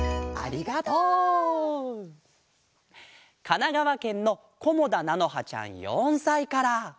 かながわけんのこもだなのはちゃん４さいから。